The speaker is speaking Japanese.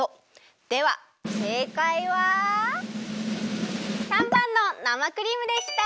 ではせいかいは③ばんの生クリームでした！